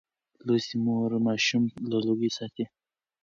لوستې مور ماشوم له لوګي ساتي.